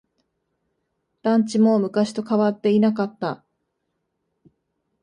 団地も昔と変わっていなかった。